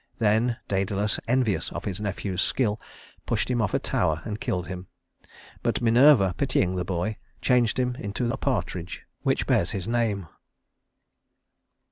Then Dædalus, envious of his nephew's skill, pushed him off a tower and killed him; but Minerva, pitying the boy, changed him into a partridge, which bears his name.